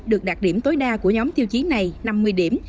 được đạt điểm tối đa của nhóm tiêu chí này năm mươi điểm